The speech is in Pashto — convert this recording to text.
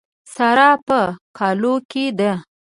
سارا په کالو کې ده.